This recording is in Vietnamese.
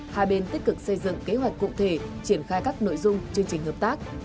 hai bên tích cực xây dựng kế hoạch cụ thể triển khai các nội dung chương trình hợp tác